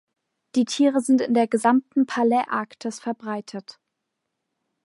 Die Tiere sind in der gesamten Paläarktis verbreitet.